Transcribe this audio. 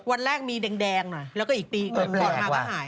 วันแรกมีแดงหน่อยแล้วก็อีกปีถอดมาก็หาย